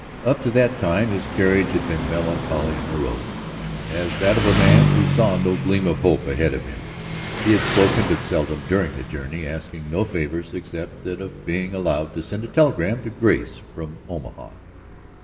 Up to that time his carriage had been melancholy and morose, as that of a man who saw no gleam of hope ahead of him. He had spoken but seldom during the journey, asking no favors except that of being allowed to send a telegram to Grace from Omaha.